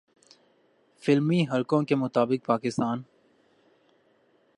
فلمی حلقوں کے مطابق پاکستان